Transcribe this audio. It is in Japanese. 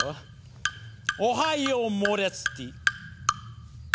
おはようモレツティ。